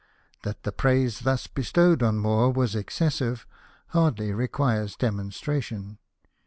That the praise thus bestowed on Moore was excessive, hardly requires demonstration.